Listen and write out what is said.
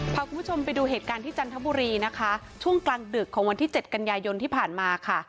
พาคุณผู้ชมไปดูเหตุการณ์ที่จันทบุรีนะคะช่วงกลางดึกของวันที่เจ็ดกันยายนที่ผ่านมาค่ะ